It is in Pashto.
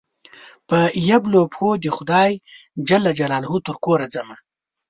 په يبلو پښو دخدای ج ترکوره ځمه